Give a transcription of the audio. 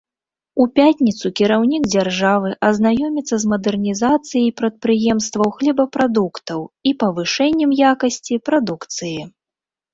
У пятніцу кіраўнік дзяржавы азнаёміцца з мадэрнізацыяй прадпрыемстваў хлебапрадуктаў і павышэннем якасці прадукцыі.